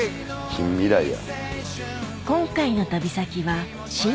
近未来や。